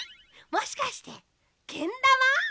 もしかしてけんだま？